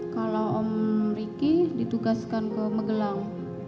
kalau om riki ditugaskan ke magelang